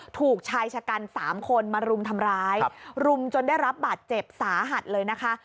ถูกชายชะกัน๓คนมารุมทำร้ายรุมจนได้รับบาดเจ็บสาหัสเลยนะคะ